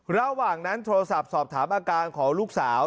ระหว่างนั้นโทรศัพท์สอบถามอาการของลูกสาว